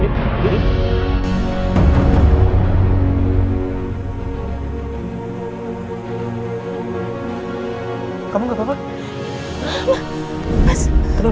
meskipun saya juga cahaya dengan ketidaksadaran